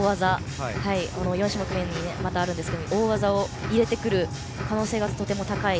４種目めにもまたありますが大技を入れてくる可能性がとても高い。